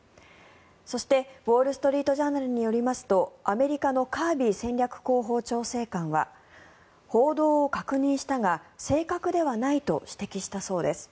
そして、ウォール・ストリート・ジャーナルによりますとアメリカのカービー戦略広報調整官は報道を確認したが正確ではないと指摘したそうです。